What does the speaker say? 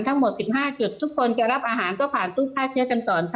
ทั้งหมด๑๕จุดทุกคนจะรับอาหารก็ผ่านตู้ฆ่าเชื้อกันก่อนค่ะ